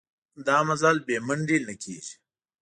دا مزل بې منډې نه کېږي.